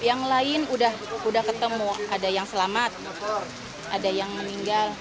yang lain sudah ketemu ada yang selamat ada yang meninggal